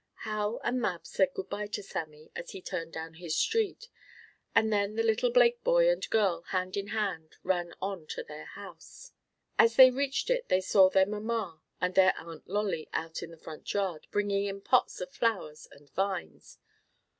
Hal and Mab said good bye to Sammie, as he turned down his street, and then the little Blake boy and girl, hand in hand, ran on to their house. As they reached it they saw their mamma and their Aunt Lolly out in the front yard, bringing in pots of flowers and vines.